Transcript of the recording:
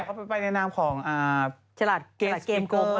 เขาไปในนามของฉลาดเกมโก